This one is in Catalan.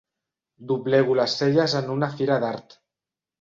Doblego les celles en una fira d'art.